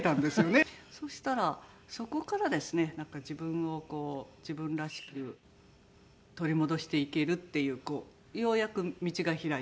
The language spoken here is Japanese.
そしたらそこからですねなんか自分をこう自分らしく取り戻していけるっていうようやく道が開いたみたいな。